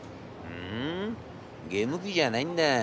『ふんゲーム機じゃないんだ。